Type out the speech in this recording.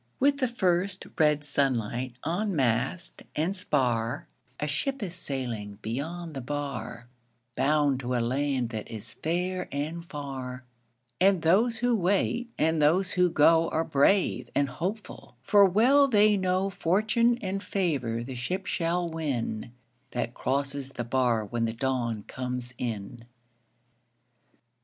With the first red sunlight on mast and spar A ship is sailing beyond the bar, Bound to a land that is fair and far; And those who wait and those who go Are brave and hopeful, for well they know Fortune and favor the ship shall win That crosses the bar when the dawn comes in.